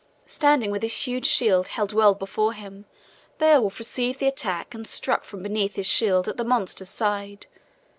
Standing with his huge shield held well before him, Beowulf received the attack and struck from beneath his shield at the monster's side.